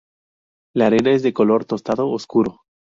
La arena es de color tostado oscuro.